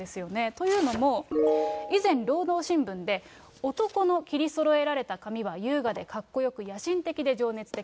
というのも、以前、労働新聞で、男の切りそろえられた髪は優雅でかっこよく、野心的で情熱的。